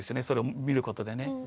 それを見ることでね。